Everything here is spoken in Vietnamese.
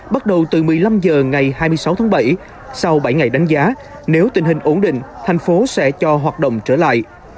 bắt đầu từ một mươi năm h ngày hai mươi sáu tháng bảy sau bảy ngày đánh giá nếu tình hình ổn định thành phố sẽ cho hoạt động trở lại